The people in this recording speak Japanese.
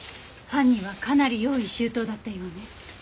犯人はかなり用意周到だったようね。